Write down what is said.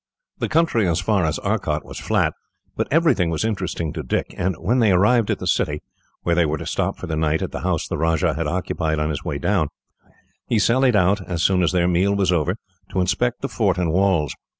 The country as far as Arcot was flat, but everything was interesting to Dick; and when they arrived at the city, where they were to stop for the night at the house the Rajah had occupied on his way down, he sallied out, as soon as their meal was over, to inspect the fort and walls.